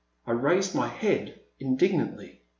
I raised my head indignantly.